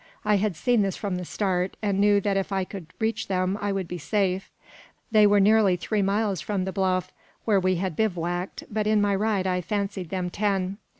I had seen this from the start, and knew that if I could reach them I would be safe. They were nearly three miles from the bluff where we had bivouacked, but in my ride I fancied them ten.